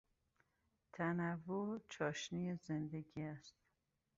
تنوع چاشنی زندگی است.